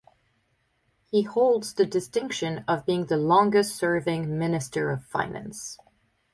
He holds the distinction of being the longest serving Minister of Finance.